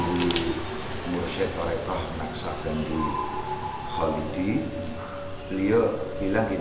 hari ini kemudian menghogel cheikh ch touchdown untuk mengumumkan keahlian leaning